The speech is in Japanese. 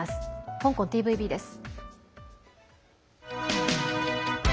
香港ＴＶＢです。